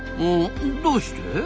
どうして？